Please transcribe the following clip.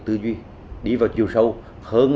có một tình sự buồn thương